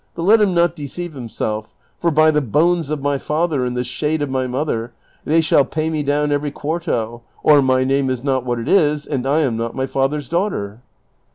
But let him not de ceive himself, for, by the bones of my father and the shade of my mother, they shall pay me down every quarto; or my name is not what it is, and I am not my father's daughter."